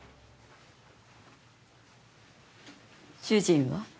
主人は？